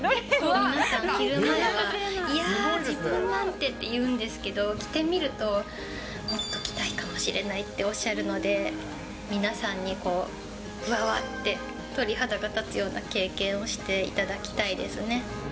皆さん、着る前は、いやぁ、自分なんてっておっしゃるんですけど、でも着てみると、もっと着たいかもしれないっておっしゃるので、皆さんに、ぶわわって鳥肌が立つような経験をしていただきたいですね。